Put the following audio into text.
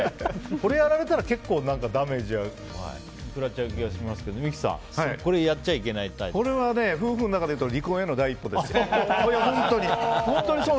これやられたら結構ダメージ食らっちゃう気がしますけど三木さんこれは夫婦の中でいうと離婚への第一歩ですよ。